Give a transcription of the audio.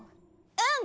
うん。